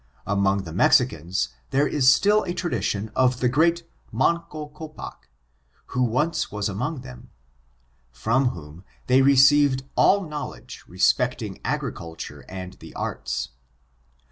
Among the Mexi cans there is still a tradition of the great Manco Copcx, who once was among them, from whom they receiv ed all knowledge respecting agriculture and the arts.